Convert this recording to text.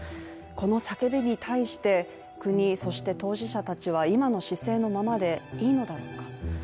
この叫びに対して国、そして当事者たちは今の姿勢のままでいいのだろうか。